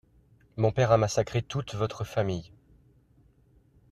Mon père a massacré toute votre famille.